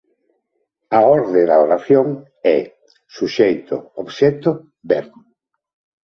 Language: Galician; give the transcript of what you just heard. A orde da oración é suxeito obxecto verbo.